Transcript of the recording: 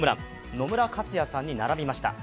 野村克也さんに並びました。